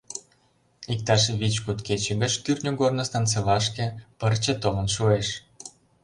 Иктаж вич-куд кече гыч кӱртньӧ корно станцийлашке пырче толын шуэш.